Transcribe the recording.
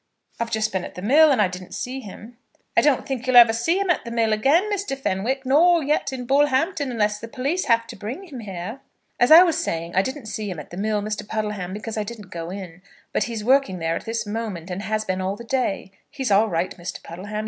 "I've just been at the mill, and I didn't see him." "I don't think you'll ever see him at the mill again, Mr. Fenwick; nor yet in Bullhampton, unless the police have to bring him here." "As I was saying, I didn't see him at the mill, Mr. Puddleham, because I didn't go in; but he's working there at this moment, and has been all the day. He's all right, Mr. Puddleham.